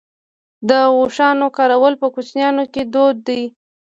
د اوښانو کارول په کوچیانو کې دود دی.